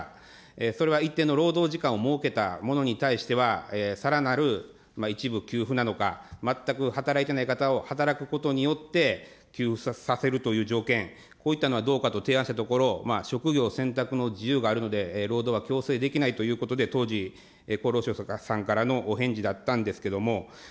それは一定の労働時間を設けたものに対しては、さらなる一部給付なのか、全く働いていない方を働くことによって、給付させるという条件、こういったのはどうかと提案したところ、職業選択の自由があるので、労働は強制できないということで、当時、厚労省さんからのお返事だったんですけれども。